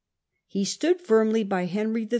He stood firmly by Henry III.